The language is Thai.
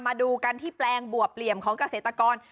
มาดูกันที่แปลงบวบเหลี่ยมของเกษตรกร